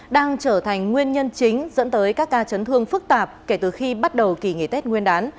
đang trở thành nguyên nhân chính dẫn tới các ca chấn thương phức tạp kể từ khi bắt đầu kỳ nghỉ tết nguyên đán